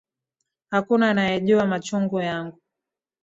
Hakuna anayejua machungu yangu